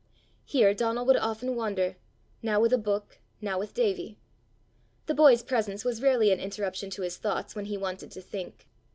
Here Donal would often wander, now with a book, now with Davie. The boy's presence was rarely an interruption to his thoughts when he wanted to think.